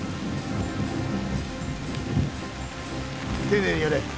丁寧にやれ。